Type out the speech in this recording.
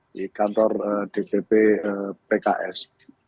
di kantor dpp pks